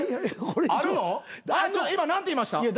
今何て言いました？